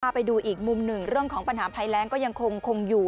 ไปดูอีกมุมหนึ่งเรื่องของปัญหาภัยแรงก็ยังคงอยู่